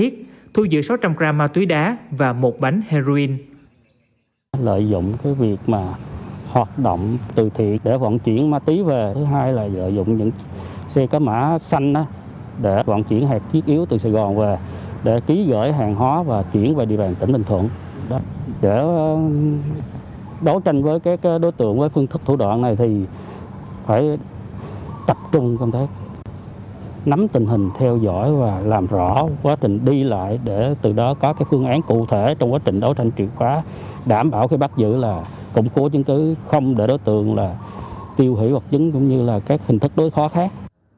trú tại phường đức long thành phố phan thiết thu giữ sáu trăm linh gram ma túy đá và một bánh heroin